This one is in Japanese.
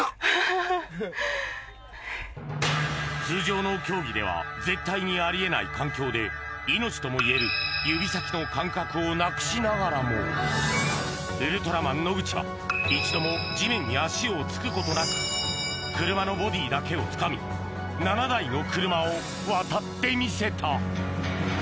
通常の競技では絶対にあり得ない環境で命ともいえる指先の感覚をなくしながらもウルトラマン野口は一度も地面に足をつくことなく車のボディーだけをつかみ７台の車を渡ってみせた